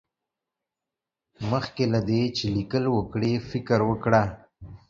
مخکې له دې چې ليکل وکړې، فکر وکړه.